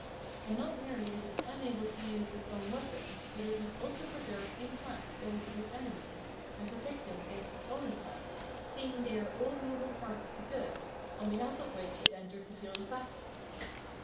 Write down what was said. And not merely is it unable to use its own weapons, but it must also preserve intact those of its enemy, and protect them against its own attack, seeing they are aU noble parts of the good, on behalf of which it enters the field of battle.